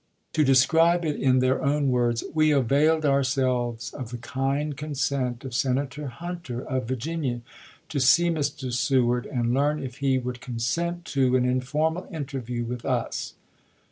To describe it in their own words :" We availed ourselves of the kind consent of Senator Hunter, The Com. of Virginia, to see Mr. Seward, and learn if he toTooSfba, would consent to an informal interview with us."